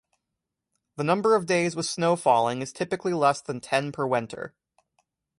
The number of days with snow falling is typically less than ten per winter.